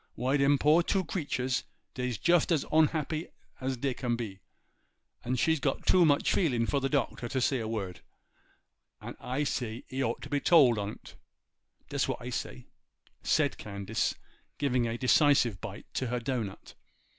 Why dem two poor creeturs—dey's just as onhappy's dey can be; and she's got too much feelin' for the Doctor to say a word, and I say he orter be told on't; dat's what I say,' said Candace, giving a decisive bite to her dough nut.